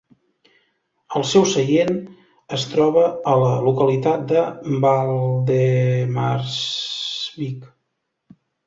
El seu seient es troba a la localitat de Valdemarsvik.